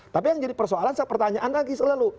tapi yang jadi persoalan saya pertanyaan lagi selalu